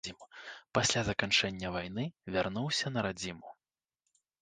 Пасля заканчэння вайны вярнуўся на радзіму.